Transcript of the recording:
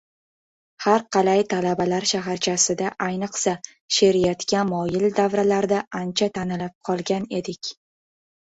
har qalay, Talabalar shaharchasida, ayniqsa, she’riyatga moyil davralarda ancha tanilib qolgan edik.